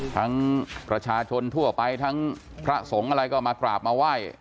ประชาชนทั่วไปทั้งพระสงฆ์อะไรก็มากราบมาไหว้